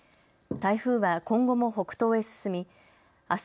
台風は今後も北東へ進みあす